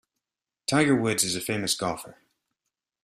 Tiger Woods is a famous golfer.